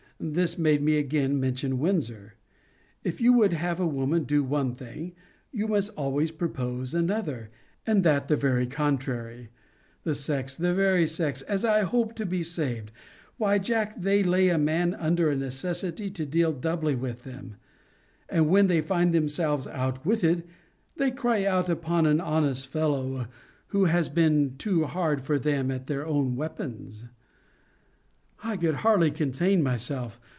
This made me again mention Windsor. If you would have a woman do one thing, you must always propose another, and that the very contrary: the sex! the very sex! as I hope to be saved! Why, Jack, they lay a man under a necessity to deal doubly with them! And, when they find themselves outwitted, they cry out upon an honest fellow, who has been too hard for them at their own weapons. I could hardly contain myself.